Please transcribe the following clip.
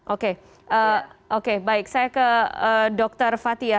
oke oke baik saya ke dr fathia